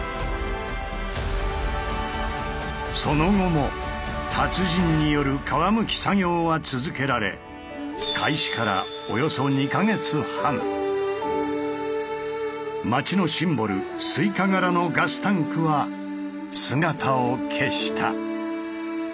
その後も達人による皮むき作業は続けられ街のシンボルスイカ柄のガスタンクは姿を消した。